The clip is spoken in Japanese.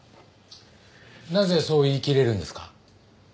なぜそう言いきれるんですか？